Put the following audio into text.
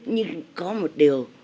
nhưng có một điều